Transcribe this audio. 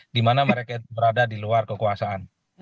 di mana mereka berada di luar kekuasaan